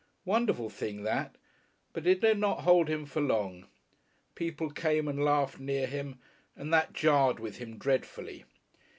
Wonderful thing that! But it did not hold him for long. People came and laughed near him and that jarred with him dreadfully.